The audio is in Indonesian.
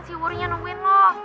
si wuri nya nungguin lo